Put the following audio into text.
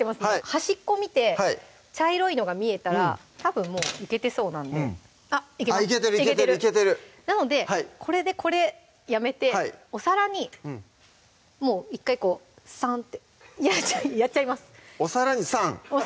端っこ見て茶色いのが見えたらたぶんもういけてそうなんであっいけますいけてるいけてるいけてるいけてるなのでこれでこれやめてお皿にもう１回こうサンってやっちゃいますお皿にサン？